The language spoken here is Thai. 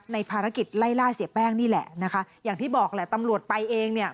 ภารกิจไล่ล่าเสียแป้งนี่แหละนะคะอย่างที่บอกแหละตำรวจไปเองเนี่ย